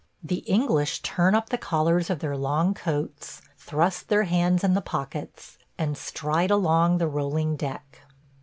The English turn up the collars of their long coats, thrust their hands in the pockets, and stride along the rolling deck.